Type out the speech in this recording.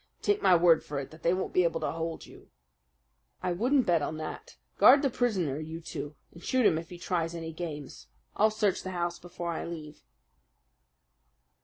Take my word for it that they won't be able to hold you." "I wouldn't bet on that. Guard the prisoner, you two, and shoot him if he tries any games. I'll search the house before I leave."